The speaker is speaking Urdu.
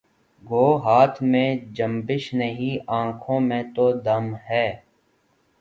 گو ہاتھ کو جنبش نہیں آنکھوں میں تو دم ہے